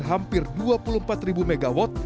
hampir dua puluh empat mw